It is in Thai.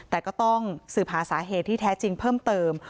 แต่ก็ต้องสืบหาสาเหตุที่แท้จริงเพิ่มเติม